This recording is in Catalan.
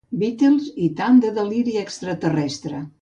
Beatles i tant de deliri extraterrestre.